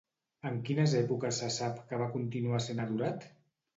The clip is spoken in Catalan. En quines èpoques se sap que va continuar sent adorat?